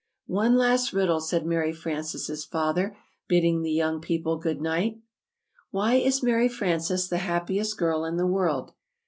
"One last riddle," said Mary Frances' father, bidding the young people good night: "'Why is Mary Frances the happiest girl in the world?'"